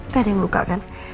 gak ada yang luka kan